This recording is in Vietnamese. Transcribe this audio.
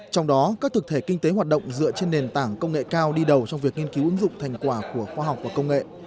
trong đó các thực thể kinh tế hoạt động dựa trên nền tảng công nghệ cao đi đầu trong việc nghiên cứu ứng dụng thành quả của khoa học và công nghệ